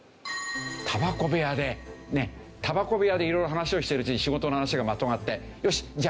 たばこ部屋でねたばこ部屋で色々話をしているうちに仕事の話がまとまってよしじゃあ